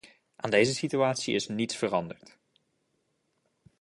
Aan deze situatie is niets veranderd.